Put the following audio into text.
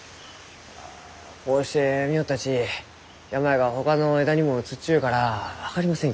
こうして見よったち病がほかの枝にもうつっちゅうからあ分かりません